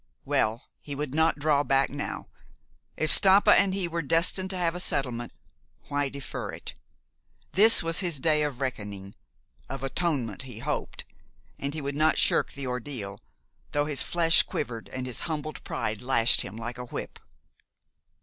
Well, he would not draw back now. If Stampa and he were destined to have a settlement, why defer it? This was his day of reckoning, of atonement, he hoped, and he would not shirk the ordeal, though his flesh quivered and his humbled pride lashed him like a whip.